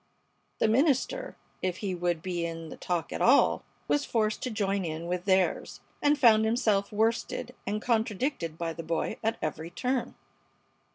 The minister, if he would be in the talk at all, was forced to join in with theirs, and found himself worsted and contradicted by the boy at every turn.